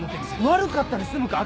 悪かったで済むか？